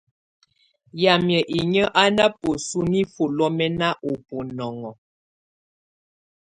Yámɛ̀á inyǝ́ á ná bǝ́su nifuǝ́ lɔ́mɛ́na ú bunɔŋɔ.